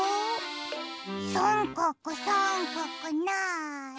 さんかくさんかくなに？